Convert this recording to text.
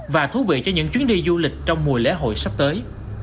và thú vị cho những chuyến đi du lịch trong mùa lễ hội sắp tới